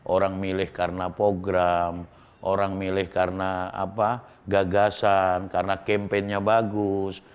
orang milih karena program orang milih karena gagasan karena campaign nya bagus